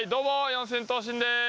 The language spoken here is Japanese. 四千頭身です。